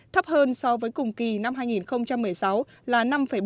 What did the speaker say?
thấp hơn so với cùng kỳ năm hai nghìn một mươi sáu là năm bốn mươi tám